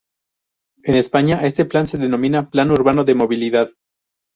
En España, este plan se denomina Plan urbano de movilidad.